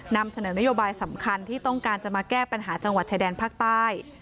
นำเสนอนโยบายสำคัญที่ต้องการจะมาแก้ปัญหาจังหวัดชายแดนภาคใต้